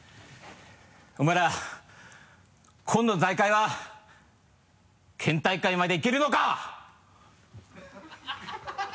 「お前ら今度の大会は県大会までいけるのか！」